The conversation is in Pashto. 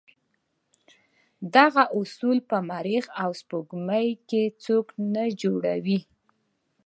دغه اصول په مریخ او سپوږمۍ کې څوک نه جوړوي.